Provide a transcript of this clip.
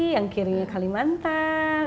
yang kiri kalimantan